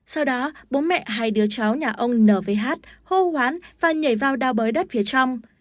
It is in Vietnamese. sau đó bố mẹ hai đứa cháu nhà ông n v h hô hoán và nhảy vào đao bới đất phía trong